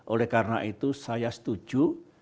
oleh karena itu saya setuju